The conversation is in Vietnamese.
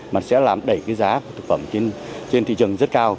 mà sẽ đẩy giá thực phẩm trên thị trường rất cao